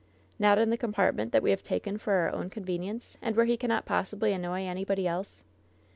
"Not in the compartment that we have taken for our own convenience, and where he cannot possibly annoy anybody else